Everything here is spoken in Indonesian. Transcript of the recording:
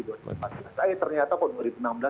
saya ternyata pada tahun dua ribu enam belas ada